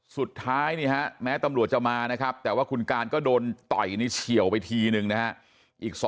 สุดท้ายแม้ตำรวจจะมานะครับแต่ว่าคุณการก็โดนต่อยนี่เฉียวไปทีนึงนะฮะ